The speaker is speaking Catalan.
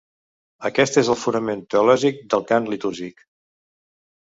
Aquest és el fonament teològic del cant litúrgic.